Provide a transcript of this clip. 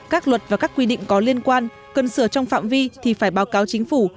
các luật và các quy định có liên quan cần sửa trong phạm vi thì phải báo cáo chính phủ